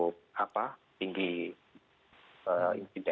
yang lima daerah di jawa timur ini ke surabaya raya atau ke diri dan lamongan